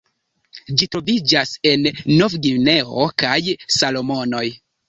Ĝi troviĝas en Novgvineo kaj Salomonoj.